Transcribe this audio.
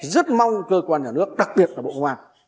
rất mong cơ quan nhà nước đặc biệt là bộ hoa